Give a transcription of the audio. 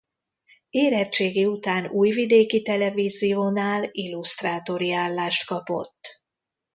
Érettségi után Újvidéki Televíziónál illusztrátori állást kapott.